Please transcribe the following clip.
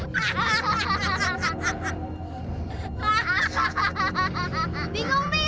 kalau tak ada pusuk semua